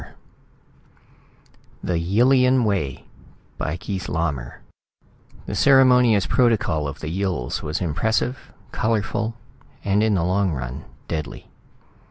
net THE YILLIAN WAY By KEITH LAUMER The ceremonious protocol of the Yills was impressive, colorful and, in the long run, deadly!